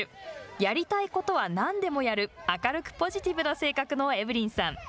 やりたいことはなんでもやる明るくポジティブな性格のエブリンさん。